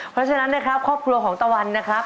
เพราะฉะนั้นนะครับครอบครัวของตะวันนะครับ